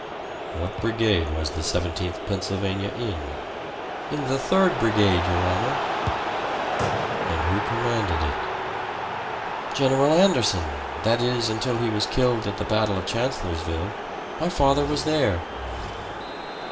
"What brigade was the Seventeenth Pennsylvania in?" "In the Third Brigade, your honor." "And who commanded it?" "General Anderson that is, until he was killed at the battle of Chancellorsville. My father was there."